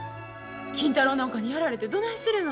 金太郎なんかにやられてどないするの？